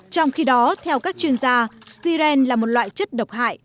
trong khi đó theo các chuyên gia siren là một loại chất độc hại